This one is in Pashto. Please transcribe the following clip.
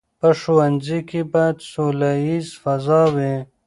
په ښوونځي کې باید سوله ییزه فضا وي.